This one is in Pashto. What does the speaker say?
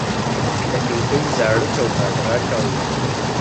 د کړکۍ زاړه چوکاټ غږ کاوه.